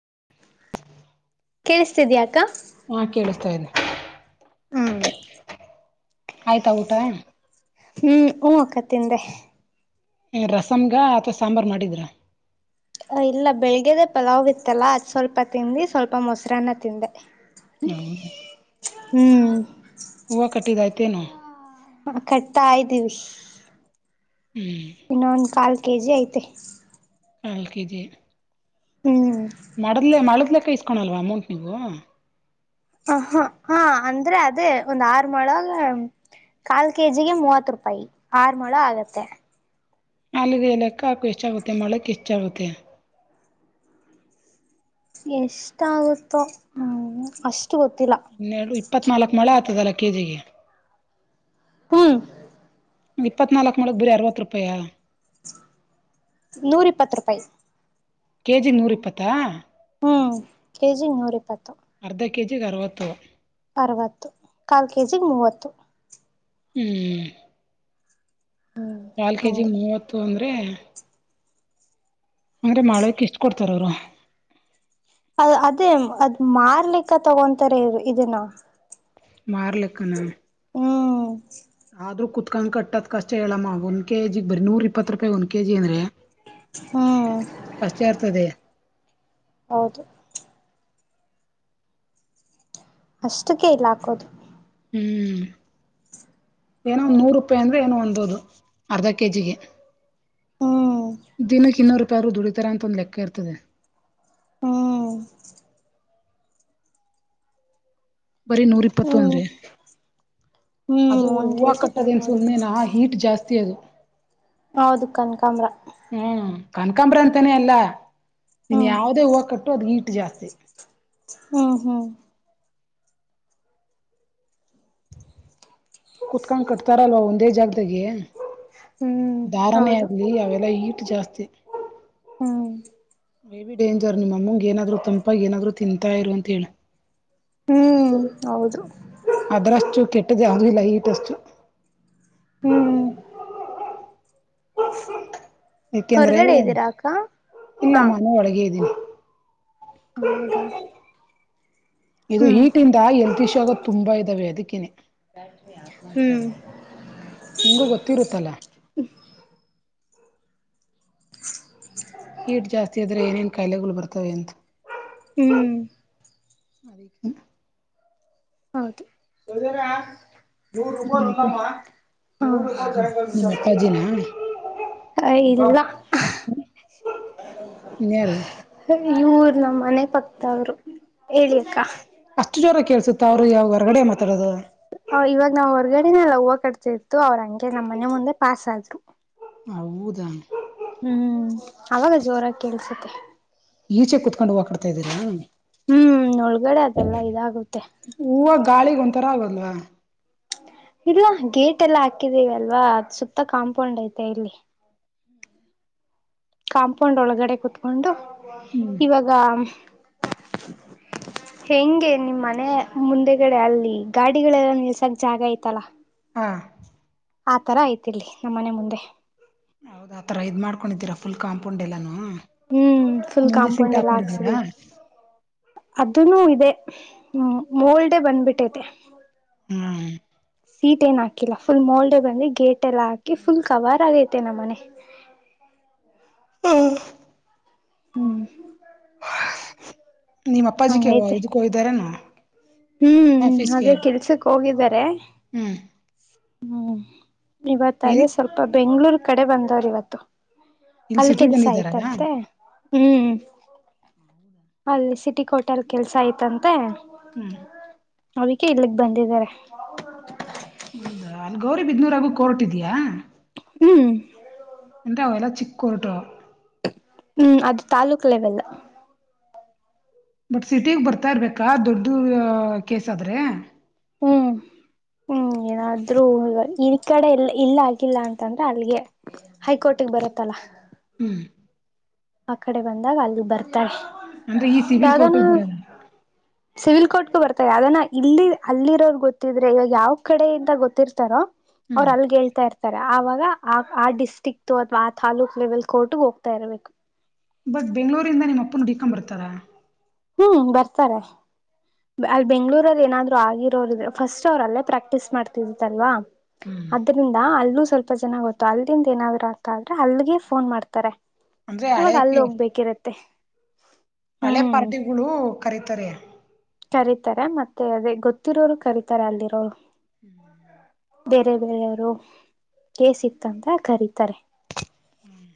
[unintelligible] ಕೇಳಿಸ್ತಿದಿಯಾ ಅಕ್ಕ ಹಾ ಕೇಳಿಸ್ತಾ ಇದೆ. ಹ್ಮ ಆಯ್ತಾ ಊಟ ಹ್ಮ್ ಹೂ ಅಕ್ಕ ತಿಂದೆ ರಸಂಗ ಅಥವಾ ಸಾಂಬಾರ್ ಮಾಡಿದ್ರಾ ಇಲ್ಲ ಬೆಳಿಗ್ಗೆದೆ ಪಲಾವ್ ಇತ್ತಲ್ಲ ಅದ್ ಸ್ವಲ್ಪ ತಿಂದ್ವಿ ಸ್ವಲ್ಪ ಮೊಸರನ್ನ ತಿಂದೆ. ಹೌದ ಹ್ಮ್ ಹೂವ ಕಟ್ಟಿದಾಯ್ತೆನೊ ಹ ಕಟ್ತಾದೀವಿ ಹ್ಮ್ ಇನ್ನೊಂದ್ ಕಲ್ ಕೆಜಿ ಐತೆ ಕಾಲ್ ಕೆಜಿ ಹ್ಮ್ ಮಾಳದ್ ಮಾಳದ್ ಲೆಕ್ಕ ಇಸ್ಕೋಣಲ್ವಾ ಅಮೌಂಟ್ ನೀವು ಹ ಹ ಹಾ ಅಂದ್ರೆ ಅದೇ ಒಂದ್ ಆರು ಮಾಳಾ ಕಾಲ್ ಕೆಜಿಗೆ ಮೂವತ್ತು ರೂಪಾಯಿ ಆರು ಮೊಳ ಆಗುತ್ತೆ ಅಲ್ಲಿಗೆ ಲೆಕ್ಕ ಹಾಕು ಎಷ್ಟಾಗುತ್ತೆ ಮೊಳಕ್ ಎಷ್ಟಾಗುತ್ತೆ. ಎಷ್ಟ ಆಗುತ್ತೋ ಹ ಅಷ್ಟ್ ಹನ್ನೆರಡು ಇಪ್ಪತ್ನಾಲ್ಕು ಮಾಳ ಆಗ್ತದಲ್ಲ ಕೆಜಿಗೆ. ಹ್ಮ್ ಇಪ್ಪತ್ನಾಲ್ಕು ಮಾಳಗ್ ಬಿರೆ ಅರವತ್ತು ರೂಪಾಯಾ ನೂರು ಇಪ್ಪತ್ತು ರೂಪಾಯಿ ಕೆಜಿ ನೂರು ಇಪ್ಪತ್ತಾ ಹ್ಮ್ ಕೆ ಜಿ ನೂರು ಇಪ್ಪತ್ತು ಅರ್ಧ ಕೆಜಿಗೆ ಅರವತ್ತು ಅರವತ್ತು ಕಾಲ್ ಕೆಜಿ ಮೂವತ್ತು ಹ್ಮ್ ಕಾಲ್ ಕೆಜಿ ಹಂಗೆ ಮೂವತ್ತು ಅಂದ್ರೆ ಆರು ಮಾಳಕ್ ಎಷ್ಟ್ ಕೊಡ್ತಾರೆ ಅವ್ರು ಅ ಅದೇ ಅದ್ ಮಾರ್ ಲೆಕ್ಕ ತಗೊಂತಾರೆ ಇ ಇದನ್ನ ಮಾರ್ ಲೆಕ್ಕಾ ನ ಹ್ಮ್ ಆದ್ರೂ ಕುತ್ಕೊಂಡ ಕಟ್ಟದ್ ಕಷ್ಟ ಹೇಳಮ್ಮ ಒಂದ್ ಕೆಜಿ ಬರೀ ನೂರ್ ಇಪ್ಪತ್ತು ರೂಪಾಯಿ ಒಂದ್ ಕೆಜಿ ಅಂದ್ರೆ. ಹ್ಮ್ ಎಷ್ಟ್ ಕಷ್ಟ ಇರ್ತದೆ. ಹೌದು ಅಷ್ಟಕ್ಕೆ ಇಲ್ಲಿ ಹಾಕೋದು ಹ್ಮ್ ಏನೋ ನೂರು ರೂಪಾಯಿ ಅಂದ್ರೆ ಏನೋ ಅನ್ನಬಹುದು ಅರ್ಧ ಕೆಜಿಗೆ ಹ್ಮ್ ದಿನಕ್ಕೆ ಇನ್ನೂರು ರೂಪಾಯಿ ಆದರು ದುಡಿತಾರ ಅಂತ ಒಂದು್ ಲೆಕ್ಕ ಇರ್ತದೆ ಹ್ಮ್ ಬರೀ ನೂರ್ ಇಪ್ಪತ್ತು ಹ್ಮ್ ಅಂದ್ರೆ ಹ್ಮ್ ಅದು ಒಂದ್ ಹೂವು ಕೆಜಿಗೆ ಕಟ್ಟದೇನ್ ನೂರು ರೂಪಾಯಿ ಸುಮಮ್ಮನೆನಾ ಹೀಟ್ ಜಾಸ್ತಿ ಅದು ಹೌದು ಕಣ್ಕಾಂಬರ ಹ್ಮ್ ಕನಕಾಂಬ್ರ ಅಂತಾನೇ ಅಲ್ಲ ನೀನ್ ಹ್ಮ್ ಯಾವದೇ ಹೂವು ಕಟ್ಟು ಅದ್ ಹೀಟ್ಟು ಜಾಸ್ತಿ ಹ್ಮ್ ಹ್ಮ್ ಕುೂತ್ಕೊಂಡ ಕಟ್ತಾರಲ್ವಾ ಒಂದೇ ಜಾಗದಾಗೆ ಹ್ಮ್ ಧಾರಣೆ ಹೌದು ಆಗ್ಲಿ ಅವೆಲ್ಲ ಈಟ್ ಜಾಸ್ತಿ ಹ್ಮ ಹೆವಿ ಡೇಂಜರ್ ನಿಮ್ಮಮ್ಮಂಗಗೆ ಏನಾದ್ರು ತಂಪ ಏನಾದ್ೂ ತಿಂತಾ ಇರು ಅಂತೇಳ ಹ್ಮ್ ಹೌದು ಯಾವುದು ಇಲ್ಲ ಹೀಟ್ ಅಷ್ಟು ಹ್ಮ್ ಯಏಕೆಂದ್ರೆ ಹೊರಗಡೆ ಇದ್ದೀರಾ ಅಕ್ಕ ಇಲ್ಲ ಹಾ ಮನೆ ಒಳಗೆ ಇದ್ದೀನಿ ಹೌದಾ ಇದು ಹ್ಮ್ ಈಟಿಂದ ಎಲ್ತಿಶ ಆಗೋ ತುಂಬಾ ಇದಾವೆ ಅದಕ್ಕಿನೇ ಹ್ಮ್ ನಿಂಗೂ ಗೊತ್ತಿರುತ್ತಲ್ಲ ಹಟ್ ಜಾಸ್ತಿ ಆದ್ರೆ ಏನೇನ್ ಕಾಯಿಲೆಗಳುಗಳು ಬರ್ತವೆ ಅಂತ ಹ್ಮ್ ಅದಕ್ಕೆ ಹೌದು ನೂರು ರೂಪಾಯಂದಾಮ ಯಾರು ಜ [unintelligible] ನಿಮ್ಮ ಅಪ್ಪಾಜಿನ ಎಲ್ಲ ನ್ಾರು [unintelligible] ಇವರು ನಮ್ಮ ಮನೆ ಪಕ್ತವ್ರು ಹೇಳಿ ಅಕ್ಕ ಸುತ್ತ ಅವ್ರು ಯಾವ ಹೊರಗಡೆ ಮಾತಾಡೋದು ಇವಾಗ ನಾವ್ ಹೊರ್ಗಡೆನೆಲ್ಲ ಹೂವು ಕಟ್ತಿ ಇತ್ತು ಅವ್ರ ಹಂಗೆ ನಮ್ಮ ಮನೆ ಮುಂದೆ ಪಾಸ್ ಆದ್ರು ಹೌದ ಹ್ಮ್ ಅವಾಗ ಜೋರಾಗಿ ಕೇಳಿಸುತ್ತೆ ಈಚೆ ಕುತ್ಕೊಂಡು ಹೋಗಾಡ್ತಾ ಇದೀರಾ ಹ್ಮ್ ಒಳಗಡೆ ಅದೆಲ್ಲ ಇದಾಗುತ್ತೆ ಕಾಳಿಗ್ ಒಂಥರ ಆಗಲ್ವಾ ಇಲ್ಲ ಗೇಟ್ ಎಲ್ಲ ಹಾಕಿದೀವಿ ಅಲ್ವಾ ಸುತ್ತ ಕಾಂಪೌಂಡ್ ಐತೆ ಇಲ್ಲಿ ಕಾಂಪೌಂಡ್ ಒಳಗಡೆ ಕುೂತ್ಕೊಂಡು ಹ್ಮ್ ಇವಾಗ ಹೆಂಗೆ ನಿಮ್ಮ ಮನೆ ಮುಂದೆಗಡೆ ಅಲ್ಲಿ ಗಾಡಿಗಳೆಲ್ಲ ನಿಲ್ಸಕ್ ಜಾಗ ಐತಲ್ಲ ಹಾ ಆ ಆತರ ಐತೆ ನಮ್ಮ ಮನೆ ಮುಂದೆ ಹೌದ ಆ ತರ ಇದ್ ಮಾಡ್ಕೊಂಡಿದ್ದೀರ ಫುಲ್ ಕಾಪೌಂಡ್ ಎಲ್ಲಾು ಹ್ಮ್ ಫುಲ್ ಕಾಂಪೌಂಡ್ ಎಲ್ಲ ಹಾಕ್ಸಿದ ಅದನು ಇದೆ ಹ್ಮ್ ಮೋಲ್ಡೆೇ ಬಂದ್ಬಿಟ್ಟೈತೆ ಹ್ಮ್ ಸೀಟ್ ಏನ್ ಹಾಕಿಲ್ಲ ಫುಲ್ ಮೋಲ್ಡ್ ಬಂದ್ರ ಗೇಟ್ ಎಲ್ಲ ಹಾಕಿ ಫುಲ್ ಕವರ್ ಆಗೈತೆ ನಮ್ಮ ಮನೆ ಹ್ಮ ಹ್ಮ್ ನಿಮ್ಮ್ ಅಪ್ಪಾಜಿಗೆ ಹಂಗೈತೆ ಇದಕ್ಕೋ ಇದ್ದಾರಾನ ಹ್ಮ್ ಅದೇ ಕೆಲ್ಸಕ್ ಹೋಗಿದ್ದಾರೆ ಹ್ಮ್ ಹ್ಮ್ ಇವತ್ ಎಲ್ಲಿ ಅದೇ ಸ್ವಲ್ಪ ಬೆಂಗ್ಳೂರ್ ಕಡೆ ಬಂದವ್ರ ಇವತ್ತು ಇಲ್ಲಿ ಅಲ್ಲಿ ಸಿಟಿ ಕೆಲ್ಸ ಬಂದಿದ್ದಾರಾ ಆಯ್ತಂತೆ ಹ್ಮ್ ಅಲ್ಲಿ ಸಿಟಿ ಕೋಟೆಲ್ ಕೆಲ್ಸ ಆಯ್ತಂತೆ ಹ್ಮ್. ಅದಿಕ್ಕೆ ಇಲ್ಲಿಗ್ ಬಂದಿದ್ದಾರೆ. ಹೌದಾ ಅಲ್ಲಿ ಗೌರಿ ಬಿದ್ನೂರಾಗು ಕೋರ್ಟ್ ಇದಿಯಾ. ಹ್ಮ್. [unintelligible] ಚಿಕ್ [unintelligible] ಹ್ಮ್ ಅದು ತಾಲೂಕ್ ಲೆವೆಲ್. ಬಟ್ ಸಿಟಿಗ್ ಬರ್ತಾ ಇರ್ಬೇಕಾ ದೊಡ್ ಕೇಸ್ ಆದ್ರೆ. ಹ್ಮ್. ಹ್ಮ್ ಆದ್ರೂ ಈ ಕಡೆ ಇಲ್ ಆಗಿಲ್ಲ ಅಂತಂದ್ರೆ ಅಲ್ಲಿಗೆ ಹೈಕೋರ್ಟ್ಗೆ ಬರ ತ್ತಲ. ಹ್ಮ್. ಆ ಕಡೆ ಬಂದಾಗ ಅಲ್ಲಿ ಬರ್ತಾಳೆ. ಅಂದ್ರೆ ಈ ಸಿವಿಲ್ ಕೋರ್ಟ್ ಗೆ ಬರಲ್ಲ. ಸಿವಿಲ್ ಕೋರ್ಟ್ಗೂ ಬರ್ತಾರೆ ಅದಾನ ಇಲ್ಲಿ ಅಲ್ಲಿರೋರ್ ಗೊತ್ತಿದ್ರೆ ಇವಾಗ ಯಾವ್ ಕಡೆಯಿಂದ ಗೊತ್ತಿರ್ತಾರೋ ಅವರು ಹ್ಮ್ ಅಲ್ಗೆ ಹೇಳ್ತಾ ಇರ್ತಾರೆ ಆವಾಗ ಆ ಆ ಡಿಸ್ಟ್ರಿಕ್ ದು ಅಥ್ವಾ ಆ ತಾಲೂಕ್ ಲೆವೆಲ್ ಕೋರ್ಟ್ ಗ್ ಹೋಗ್ತಾ ಇರ್ಬೇಕು. ಬಟ್ ಬೆಂಗ್ಗಳೂರಿಂದ ನಿಮ್ಮ ಅಪ್ಪನ್ ಹೂಡಿಕೊಂಡ್ ಬರ್ತಾರ. ಹ್ಮ್ ಬರ್ತಾರೆ. ಅಲ್ ಬೆಂಗ್ಳೂರಲ್ಲಿ ಏನಾದ್ರು ಆಗಿರೋರು ಇದ್ರೆ ಫಸ್ಟ್ ಅವರು ಅಲ್ಲೇ ಪ್ರಾಕ್ಟೀಸ್ ಮಾಡ್ತಿದತ್ತಲ್ವಾ. ಅದ್ರಿಂದ ಅಲ್ಲೂ ಸ್ವಲ್ಪ ಜನ ಗೊತ್ತು ಅಲ್ದಿಂದ ಏನಾದ್ರು ಅಂತ ಆದ್ರೆ ಅಲ್ಗೆ ಫೋನ್ ಮಾಡ್ತಾರೆ. ಅಂದ್ರೆ ಅವಾಗ ಅಲ್ಲಿ ಹಳೆಕ್ಕೆ ಹೋಗ್ಬೇಕಿರತ್ತೆ. ಹಳೆ ಹ್ಮ್ ಪಾರ್ಟಿಗಳು ಕರೀತಾರೆ. ಕರೀತಾರೆ ಮತ್ತೆ ಅದೇ ಗೊತ್ತಿರೋರು ಕರೀತಾರೆ ಅಲ್ಲಿರೋರು. ಹ್ಮ್. ಬೇರೆ ಬೇರೆಯವರು ಕೇಸ್ ಇತ್ತಂತ ಕರೀತಾರೆ. ಹ್ಮ್.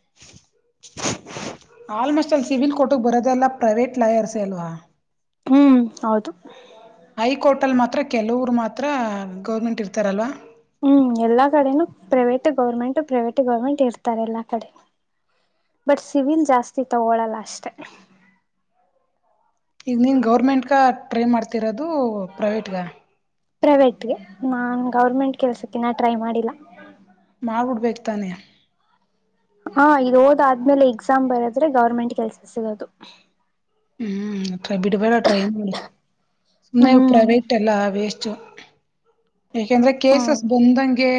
ಆಲ್ಮೋಸ್ಟ್ ಅಲ್ ಸಿವಿಲ್ ಕೋರ್ಟಗ್ ಬರೋದೆಲ್ಲ ಪ್ರೈವೇಟ್ ಲಾಯರ್ಸೆ ಅಲ್ವಾ. ಹ್ಮ್ ಹೌದು. ಹೈ ಕೋರ್ಟಲ್ ಮಾತ್ರ ಕೆಲವರು ಮಾತ್ರ ಗೌರ್ಮೆಂಟ್ ಇರ್ತಾರಲ್ವಾ. ಹ್ಮ್ ಎಲ್ಲಾ ಕಡೆನು ಪ್ರೈವೇಟು ಗೌರ್ಮೆಂಟು ಪ್ರೈವೇಟು ಗೌರ್ಮೆಂಟು ಇರ್ತಾರೆ ಎಲ್ಲಾ ಕಡೆ. ಹ. ಬಟ್ ಸಿವಿಲ್ ಜಾಸ್ತಿ ತಗೊಳಲ್ಲ ಅಷ್ಟೆ. ಈಗ ನೀನು ಗೌರ್ಮೆಂಟ್ಗ ಟ್ರೈ ಮಾಡ್ತಿರೋದು ಪ್ರೈವೇಟ್ಗ. ಪ್ರೈವೇಟ್ಗೆ ನಾನ್ ಗೌರ್ಮೆಂಟ್ ಕೆಲ್ಸಕ್ಕಿನ್ನ ಟ್ರೈ ಮಾಡಿಲ್ಲ. ಮಾಡ್ಬಿಡ್ಬೇಕ್ ತಾನೇ. ಹಾ ಇದು ಓದ್ ಆದ್ಮೇಲೆ ಎಕ್ಸಾಮ್ ಬರದ್ರೆ ಗೌರ್ಮೆಂಟ್ ಕೆಲ್ಸ ಸಿಗೋದು. ಹ್ಮ್ ಬಿಡ್ಬೇಡ ಟ್ರೈಯಲ್ ನಿಂದು ಸುಮ್ನೆ ಇ ಹ್ಮ್ ಪ್ರೈವೇಟ್ ಎಲ್ಲ ವೇಸ್ ಟು ಯಾಕೆಂದ್ರೆ ಕೇಸಸ್ ಹ್ಮ್ ಬಂದಂಗೆ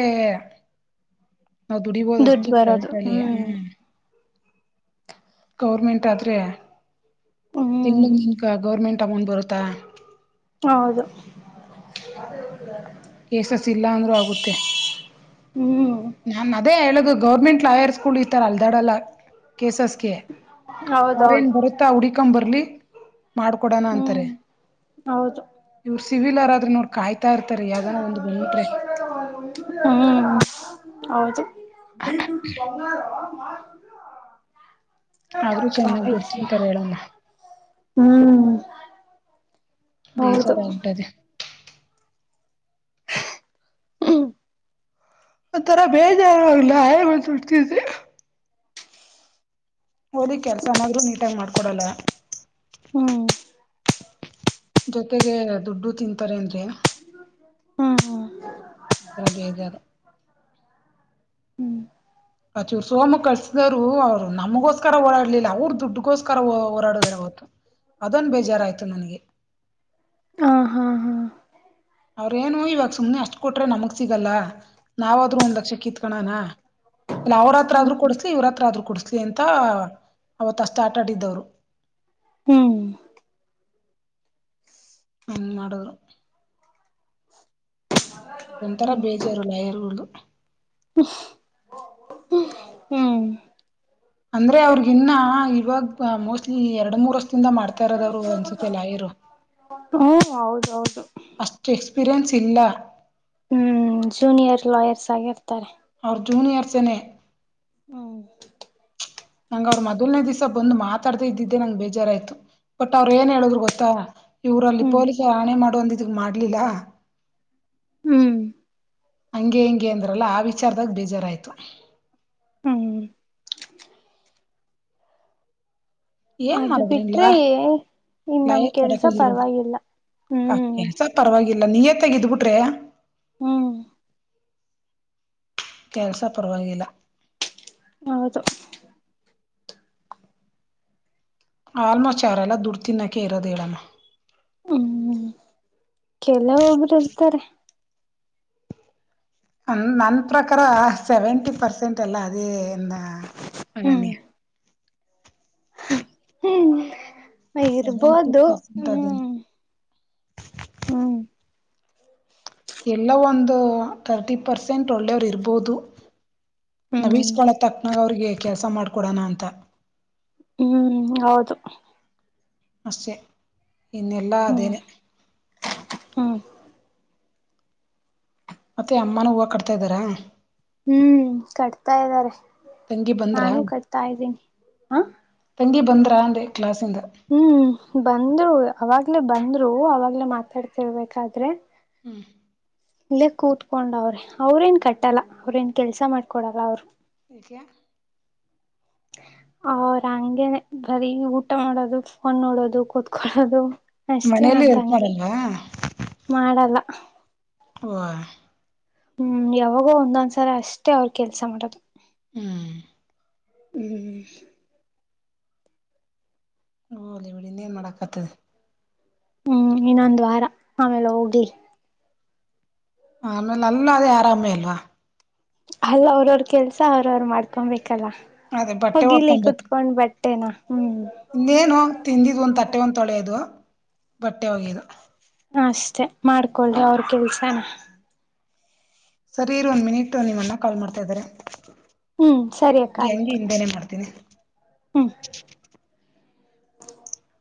ನಾವು ದುಡಿಬೋದು ದುಡ್ಡು ಅಷ್ಟೆ ಬರೋದು ಪ್ರೈವೇಟ್ ಅಲ್ಲಿ ಹ್ಮ್. ಗೌರ್ಮೆಂಟ್ ಆದ್ರೆ ಹ್ಮ್ ಇನ್ನು ನಿನ್ಕ ಗೌರ್ಮೆಂಟ್ ತಗೊಂಡ್ ಬರುತ್ತಾ. ಹೌದು. ಕೇಸಸ್ ಇಲ್ಲ ಅಂದರು ಆಗುತ್ತೆ ಹ್ಮ್ ನಾನ್ ಅದೇ ಹೇಳೋದು ಗೌರ್ಮೆಂಟ್ ಲಾಯರ್ ಗಳು ಈ ತರ ಅಲ್ದಾಡಲ್ಲ. ಕೇಸಸ್ಗೆ ಅವರೇನ್ ಹೌದೌದು ಬರುತ್ತಾ ಹುಡಿಕಂಡ್ ಬರ್ಲಿ ಮಾಡ್ಕೊಡೋಣ ಹ್ಮ್ ಅಂತಾರೆ ಹೌದು ಇವರು ಸಿವಿಲ್ ಅವರಾದ್ರರುನು ಅವ್ರ್ ಕಾಯ್ತಾ ಇರ್ತಾರೆ. ಯಾವ್ದಾನ ಒಂದ್ ಬಂದ್ಬಿಟ್ರೆ ಹ್ಮ್ ಹೌದು. [unintelligible] ಬಂಗಾರ ಆದ್ರೂ ಚೆನ್ನಾಗ್ ದುಡ್ಡು [unintelligible] ತಿಂತಾರೆ ಹೇಳಮ್ಮ ಹ್ಮ್. ಹೌದು ಬೇಜಾರ ಎಂತದೆ. ಹ್ಮ್. ಒಂತರ ಬೇಜಾರ ಆಗಲ್ಲ [unintelligible] ಬಿಡ್ತಿದಿ ಓದಿ ಕೆಲ್ಸನಾದ್ರು ನೀಟಾಗಿ ಮಾಡ್ಕೊಡಲ್ಲ. ಹ್ಮ್ ಜೊತೆಗೆ ದುಡ್ಡು ತಿಂತಾರೆ ಅಂದ್ರೆ ಹ್ಮ ಹಾ ಅ ಬೇಜಾರು. ಹ್ಮ್ ಅ ಚೂರು ಸೋಮು ಕಳಸಿದವ್ರು ಅವ್ರು ನಮಗೋಸ್ಕರ ಓಡಾಡ್ಲಿಲ್ಲ ಅವ್ರ್ ದುಡ್ಗೋಸ್ಕರ ಓಡಾಡದ್ರ್ ಅವತ್ತು. ಅದೊಂದ್ ಬೇಜಾರಾಯ್ತು ನನಗೆ. ಹಾ ಹಾ ಹಾ ಅವ್ರೇನು ಇವಾಗ ಸುಮ್ನೆ ಅಷ್ಟ್ ಕೊಟ್ರೆ ನಮಗ್ ಸಿಗಲ್ಲ ನಾವಾದ್ರೂ ಒಂದ್ ಲಕ್ಷ ಕಿತ್ಕಣನಾ ಇಲ್ಲ ಅವ್ರತ್ರ ಆದ್ರು ಹ್ಮ್ ಕೊಡ್ಸ್ಲಿ ಇವ್ರ ಹತ್ರ ಆದ್ರು ಕೊಡ್ಸ್ಲಿ ಅಂತ ಅವತ್ತಷ್ಟ್ ಆಟ ಆಡಿದ್ದವ್ರು. ಹ್ಮ್ ಹೆಂಗ್ ಮಾಡುದ್ರೊ. ಅದೊಂತರ ಹ್ಮ್ ಬೇಜಾರು [unintelligible] ಹ್ಮ್ ಅಂದ್ರೆ ಅವ್ರಗಿನ್ನ ಇವಾಗ ಮೋಸ್ಟ್ಲಿ ಎರಡ್ ಮೂರ್ ತಿಂದ ಮಾಡ್ತಾ ಇರೋದವ್ರು ಅನ್ಸುತ್ತೆ ಲಾಯರು ಹೌದೌದು ಅಷ್ಟು ಎಕ್ಸ್ ಪೀರಿಯನ್ಸ್ ಇಲ್ಲ. ಹ್ಮ್ ಜೂನಿಯರ್ ಲಾಯರ್ಸ್ ಆಗಿರ್ತಾರೆ. ಅವ್ರ್ ಜೂನಿಯರ್ಸನೆೇ. ಹ್ಮ್ ನಂಗ ಅವ್ರು ಮೊದಲನೇ ದಿವಸ ಬಂದ್ ಮಾತಾಡ್ದೆ ಇದ್ದಿದ್ದೆ ನಂಗ್ ಬೇಜಾರಾಯ್ತು. ಬಟ್ ಅವ್ರ್ ಏನ್ ಹೇಳುದ್ರು ಗೊತ್ತಾ ಇವ್ರು ಅಲ್ಲಿ ಹ್ಮ್ ಪೊಲೀಸರು ಆಣೆ ಮಾಡು ಅಂದಿದ್ದಿಕ್ಕ್ ಮಾಡ್ಲಿಲ್ಲ. ಹ್ಮ್ ಹಂಗೆ ಹಿಂಗೆ ಅಂದ್ರಲ್ಲ ಆ ವಿಚಾರದಾಗ ಬೇಜಾರಾಯ್ತು. ಹ್ಮ್ ಏನ್ ಅದು ಬಿಟ್ರೆ ಮಾಡುದ್ರಿನ್ಲಾ ಇನ್ ಲಯ ನಮ್ ಕೆಲ್ಸ ಪಡಕೊದಿರ್ಬೇಕು. ಪರವಾಗಿಲ್ಲ ಹ ಹ್ಮ್ ಕೆಲ್ಸ ಪರವಾಗಿಲ್ಲ ನೀಯತ್ತಾಗಿದ್ಬಿಟ್ರೆ ಹ್ಮ್ ಕೆಲ್ಸ ಪರ್ವವಾಗಿಲ್ಲ. ಹೌದು. ಆಲ್ಮೋಸ್ಟ್ ಅವರೆಲ್ಲ ದುಡ್ಡು ತಿನ್ನಕ್ಕೆ ಇರೋದ್ ಹೇಳಮ್ಮ. ಹ್ಮ್ ಕೆಲವೊಬ್ರು ಇರ್ತಾರೆ. ಅನ್ ನನ್ ಪ್ರಕಾರ ಸೆವೆಂಟಿ ಪರ್ಸೆಂಟ್ ಎಲ್ಲ ಅದೇ [unintelligible] ಹ್ಮ ಸೆವೆಂಟಿ ಇರ್ಬೋದು ಪರ್ಸೆಂಟ್ ಅದೇನೆ ಹ್ಮ್ ಹ್ಮ್. ಹ್ಮ ಎಲ್ಲೊ ಒಂದು ತರ್ಟಿ ಪರ್ಸೆಂಟ್ ಒಳ್ಳೆಯವರು ಇರ್ಬೋದು. ಹ್ಮ್ ನಾವೀಸ್ಕಳಕ್ ತಕ್ನಾಗ ಅವ್ರಿಗೆ ಕೆಲಸ ಮಾಡ್ಕೊಡೋಣ ಅಂತ. ಹ್ಮ್ ಹೌದು. ಅಷ್ಟೆ ಇನ್ನೆಲ್ಲಾ ಹ್ಮ್ ಅದೇನೆ. ಹ್ಮ್ ಮತ್ತೆ ಅಮ್ಮನೂ ಹೂವ ಕಡ್ತಾ ಇದ್ದಾರ? ಹ್ಮ್ ಕಟ್ತಾ ಇದ್ದಾರೆ. ತಂಗಿ ಬಂದ್ರಾ ನಾನು ಕಟ್ತಾ ಇದ್ದೀನಿ ಹಾ. ಬಂದ್ರಾ ಅಂದೆ. ಕ್ಲಾಸಿಂದ ಹ್ಮ್ ಬಂದ್ರು ಅವಾಗ್ಲೆೇ ಬಂದ್ರು ಅವಾಗ್ಲೇ ಮಾತಾಡ್ತಿರ್ಬೇಕಾದ್ರೆ. ಹ್ಮ್ ಇಲ್ಲೇ ಕೂತ್ಕೊಂಡವ್ರೆ ಅವ್ರೇನ್ ಕಟ್ಟಲ್ಲ ಅವ್ರೇನ್ ಕೆಲ್ಸ ಮಾಡ್ಕೊಡಲ್ಲ ಅವ್ರು. ಯಾಕೆ? ಅವ್ರ ಹಂಗಗೆನೆ ಬರೀ ಊಟ ಮಾಡೋದು ಫೋನ್ ನೋಡೋದು ಕೂತ್ಕೊಳ್ಳೋದು ಅಷ್ಟೇ ಮನೇಲಿ ನನ್ ಹೆಲ್ಪ್ ತಂಗಿ ಮಾಡಲ್ವಾ ಮಾಡಲ್ಲ ಹಓ ಹ್ಮ್ ಯಾವಾಗೋ ಒಂದೊಂದ್ಸರ ಅಷ್ಟೇ ಅವ್ರ ಕೆಲ್ಸ ಮಾಡದು ಹ್ಮ್ ಹ್ಮ ಹೋ ಲಬಡಿ ಇನ್ನ ಏನ್ ಮಾಡಕ್ ಆತದೆ ಹ್ಮ್ ಇನ್ನೊಂದು್ ವಾರ ಆಮೇಲೆ ಹೋಗ್ಲಿ ಆಮೇಲೆ ಅಲ್ಲ ಅದೇ ಆರಾಮೇ ಅಲ್ವಾ ಅಲ್ಲ ಅವ್ರವ್ರ ಕೆಲ್ಸ ಅವ್ರವರು ಮಾಡ್ಕೊಬೇಕಲ್ಲ ಅದೇ ಬಟ್ಟೆ ಹೋಗಿಲಿ ಒಕೊಂಬೇಕು ಕುೂತ್ಕೊಂಡ್ ಬಟ್ ಇನ್ನೇನು ತಿಂದಿದ್ ಒಂದ್ ತಟ್ಟೆ ಒಂದ್ ತೊಳೆಯೋದು ಬಟ್ಟೆ ಹೋಗಿದ ಅಷ್ಟೆ ಮಾಡ್ಕೊಳಿ ಅವ್ರ ಕೆಲ್ಸನ ಸರಿ ಇರ ಒಂದ್ ಮಿನಿಟ್ ನಿಮ್ಮನ್ನ ಕಾಲ್ ಮಾಡ್ತಾ ಇದಾರೆ ಹ್ಮ್ ಸರಿ ಅಕ್ಕ ಹೆಂಗೆ ಆಯ್ತು ಹಿಂದೆನೆ ಮಾಡ್ತೀನಿ ಹ